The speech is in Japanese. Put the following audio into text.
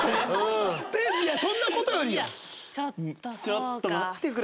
ちょっと待ってくれ。